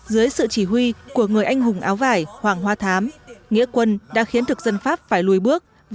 dưới sự chỉ huy của người anh hùng áo vải hoàng hoa thám nghĩa quân đã khiến thực dân pháp phải lùi bước